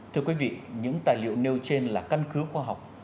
thưa quý vị những tài liệu nêu trên là căn cứ khoa học